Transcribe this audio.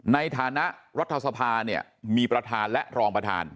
ในฐานะรัฐสภาเนี่ยมีประธานและรองประธาน